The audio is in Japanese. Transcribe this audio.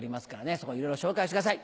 そこいろいろ紹介してください。